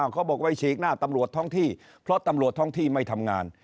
เขาบอกไว้ฉีกหน้าตำรวจท้องที่เพราะตำรวจท้องที่ไม่ทำงาน